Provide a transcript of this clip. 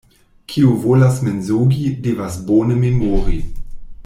Kiu volas mensogi, devas bone memori.